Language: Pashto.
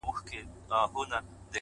میکده په نامه نسته هم حرم هم محرم دی